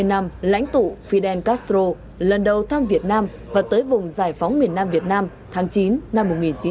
hai mươi năm lãnh tụ fidel castro lần đầu thăm việt nam và tới vùng giải phóng miền nam việt nam tháng chín năm một nghìn chín trăm bảy mươi